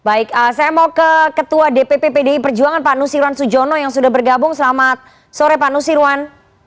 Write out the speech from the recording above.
baik saya mau ke ketua dpp pdi perjuangan pak nusirwan sujono yang sudah bergabung selamat sore pak nusirwan